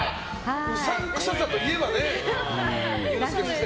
うさんくささといえばね。